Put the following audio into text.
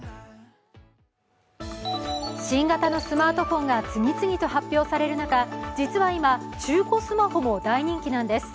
新型のスマートフォンが次々と発表される中、実は今、中古スマホも大人気なんです。